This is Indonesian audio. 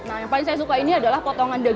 nah yang paling saya suka ini adalah potongan daging